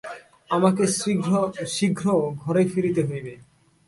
আমাকে শীঘ্র ঘরে ফিরিতে হইবে।